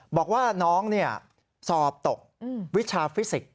บอกว่าน้องสอบตกวิชาฟิสิกส์